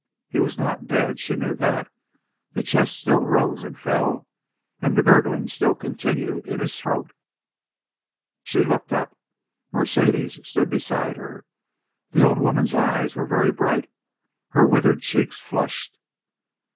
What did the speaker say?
He was not dead. She knew that, the chest still rose and fell, and the gurgling still continued in his throat. She looked up. Mercedes stood beside her. The old woman's eyes were very bright, her withered cheeks flushed.